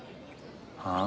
はあ？